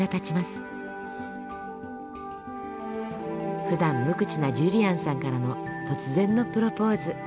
ふだん無口なジュリアンさんからの突然のプロポーズ。